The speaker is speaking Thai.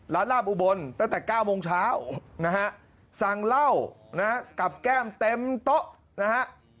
ลาบอุบลตั้งแต่๙โมงเช้านะฮะสั่งเหล้านะฮะกับแก้มเต็มโต๊ะนะฮะ